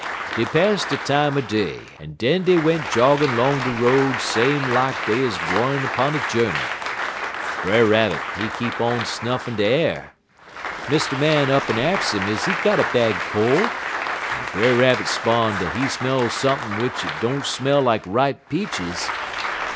"Dey pass de time er day, en den dey went joggin' 'long de road same lak dey 'uz gwine 'pun a journey. Brer Rabbit he keep on snuffin' de a'r. Mr. Man up'n ax 'im is he got a bad cole, en Brer Rabbit 'spon' dat he smell sump'n' w'ich it don't smell like ripe peaches.